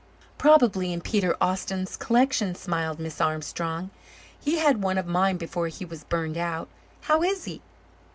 "Probably in Peter Austin's collection," smiled Miss Armstrong. "He had one of mine before he was burned out. How is he?"